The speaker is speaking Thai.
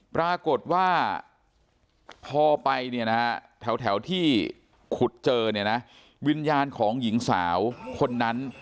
ปรากฏว่าพอไปแถวที่ขุดเจอวิญญาณของหญิงสาวคนนั้น